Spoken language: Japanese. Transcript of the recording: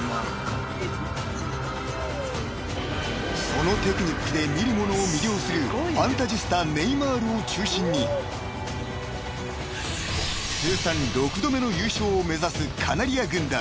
［そのテクニックで見る者を魅了するファンタジスタネイマールを中心に通算６度目の優勝を目指すカナリア軍団］